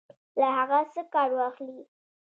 له هغه څخه کار واخلي.